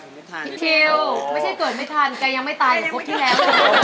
พี่ทิวไม่ใช่เกิดไม่ทันแกยังไม่ตายครบที่แล้ว